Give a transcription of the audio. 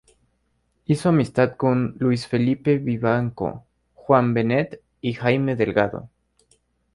Hizo amistad con Luis Felipe Vivanco, Juan Benet y Jaime Delgado.